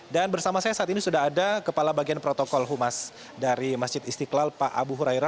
dan bersama saya saat ini sudah ada kepala bagian protokol humas dari masjid istiqlal pak abu hurairah